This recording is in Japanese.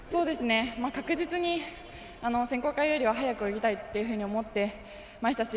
確実に選考会よりは速く泳ぎたいというふうに思っていましたし